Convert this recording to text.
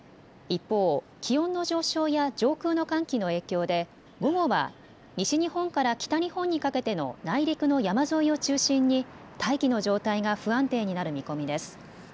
一方、気温の上昇や上空の寒気の影響で午後は西日本から北日本にかけての内陸の山沿いを中心に大気の状態が不安定になる見込みです。